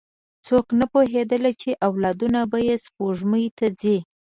څوک نه پوهېدل، چې اولادونه به یې سپوږمۍ ته ځي.